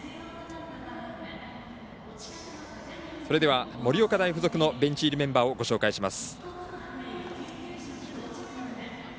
それでは盛岡大付属のベンチ入りメンバーをご紹介します。